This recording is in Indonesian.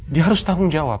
dia harus tanggung jawab